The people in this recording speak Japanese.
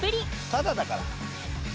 タダだから。